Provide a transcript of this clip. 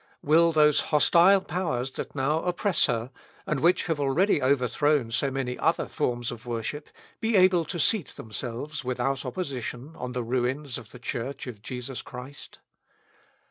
Will those hostile powers that now oppress her, and which have already overthrown so many other forms of worship, be able to seat themselves without opposition on the ruins of the Church of Jesus Christ?